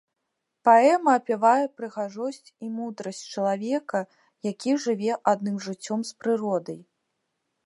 Паэма апявае прыгажосць і мудрасць чалавека, які жыве адным жыццём з прыродай.